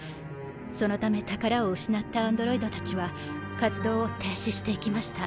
そのため宝を失ったアンドロイドたちは活動を停止していきました。